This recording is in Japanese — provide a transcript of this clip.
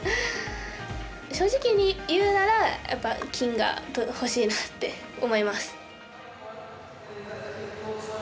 正直に言うなら、やっぱり「金」が欲しいなって思います。